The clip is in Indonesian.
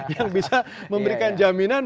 yang bisa memberikan jaminan